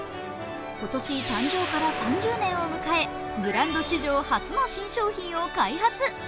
今年誕生から３０年を迎えブランド史上初の新商品を開発。